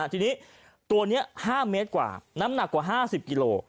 ทีนี้ตัวนี้๕เมตรกว่าน้ำหนักกว่า๕๐กิโล